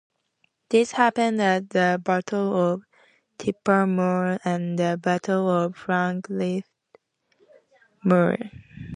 This happened at the Battle of Tippermuir and the Battle of Falkirk Muir.